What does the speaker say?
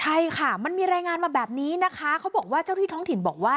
ใช่ค่ะมันมีรายงานมาแบบนี้นะคะเขาบอกว่าเจ้าที่ท้องถิ่นบอกว่า